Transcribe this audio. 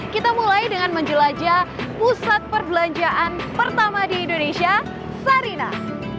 kita mulai dengan menjelajah pusat perbelanjaan pertama di indonesia sarinah